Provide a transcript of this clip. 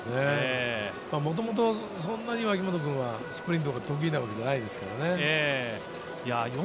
もともとそんなに脇本君はスプリントが得意なわけじゃないですからね。